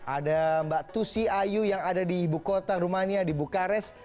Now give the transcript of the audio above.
ada mbak tusi ayu yang ada di ibu kota rumania di bukares